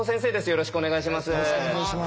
よろしくお願いします。